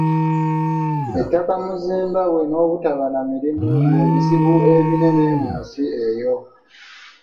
Ettaka mu Zimbabwe n’obutaba na mirimu bye bizibu ebinene mu nsi eyo.